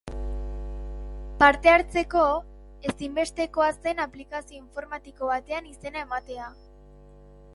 Parte hartzeko, ezinbestekoa zen aplikazio informatiko batean izena ematea.